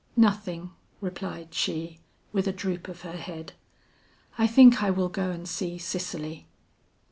"Nothing," replied she, with a droop of her head; "I think I will go and see Cicely."